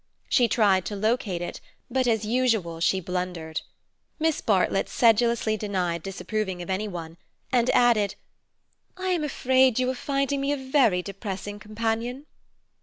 She tried to locate it, but as usual she blundered. Miss Bartlett sedulously denied disapproving of any one, and added "I am afraid you are finding me a very depressing companion."